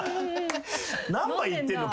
何杯いってんの？